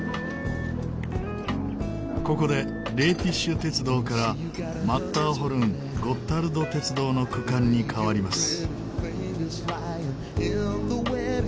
ここでレーティッシュ鉄道からマッターホルン・ゴッタルド鉄道の区間に変わります。